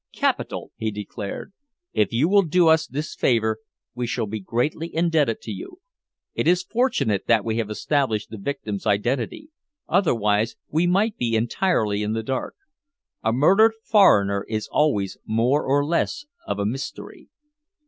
"Capital!" he declared. "If you will do us this favor we shall be greatly indebted to you. It is fortunate that we have established the victim's identity otherwise we might be entirely in the dark. A murdered foreigner is always more or less of a mystery."